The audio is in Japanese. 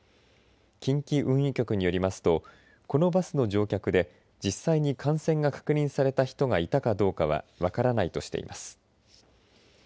近畿運輸局によりますとこのバスの乗客で実際に感染が確認された人がいたかどうかは分からないとしています。